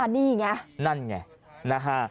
อันนี้ไงนั่นไงนะฮะ